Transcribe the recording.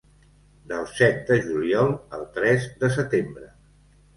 Del set de juliol al tres de setembre.